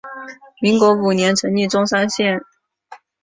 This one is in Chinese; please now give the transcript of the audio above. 民国五年成立钟山县。